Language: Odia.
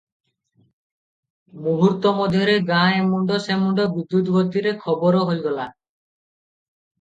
ମୁହୂର୍ତ୍ତ ମଧ୍ୟରେ ଗାଁ ଏ ମୁଣ୍ତ ସେମୁଣ୍ତ ବିଦ୍ୟୁତ୍ ଗତିରେ ଖବର ହୋଇଗଲା ।